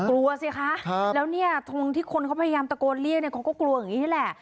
กลัวสิคะแล้วเนี่ยตรงที่คนเขาพยายามตะโกนเรียกเนี่ยเขาก็กลัวอย่างนี้แหละ